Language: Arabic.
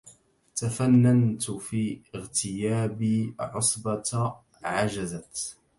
تفننت في اغتيابي عصبة عجزت